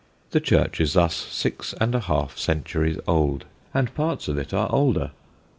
The church is thus six and a half centuries old, and parts of it are older.